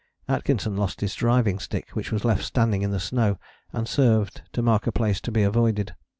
Atkinson lost his driving stick, which was left standing in the snow and served to mark a place to be avoided.